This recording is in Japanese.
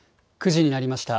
９時になりました。